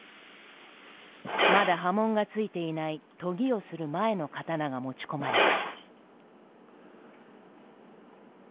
まだ刃文がついていない研ぎをする前の刀が持ち込まれた。